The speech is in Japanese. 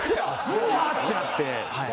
うわってなってはい。